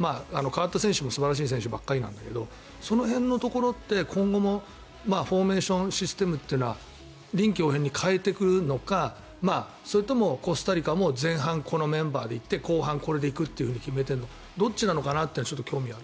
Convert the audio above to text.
代わった選手も素晴らしい選手ばかりなんだけどその辺のところって今後もフォーメーションシステムというのは臨機応変に変えていくのかそれともコスタリカも前半、このメンバーで行って後半これで行くって決めてるのかどっちなのかなっていうのはちょっと興味が。